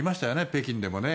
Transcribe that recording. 北京でもね。